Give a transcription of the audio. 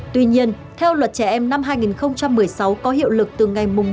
tuy nhiên theo luật trẻ em năm hai nghìn một mươi sáu có hiệu lực từ ngày một tháng sáu năm hai nghìn một mươi bảy